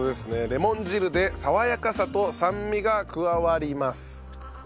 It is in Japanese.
レモン汁で爽やかさと酸味が加わります。